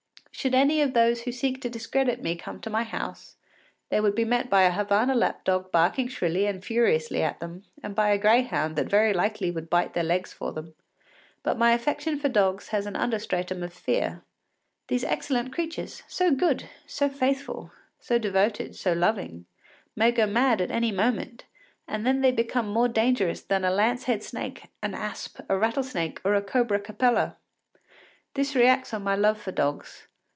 Should any of those who seek to discredit me come to my house, they would be met by a Havana lap dog barking shrilly and furiously at them, and by a greyhound that very likely would bite their legs for them. But my affection for dogs has an understratum of fear. These excellent creatures, so good, so faithful, so devoted, so loving, may go mad at any moment, and then they become more dangerous than a lance head snake, an asp, a rattlesnake or a cobra capella. This reacts on my love for dogs.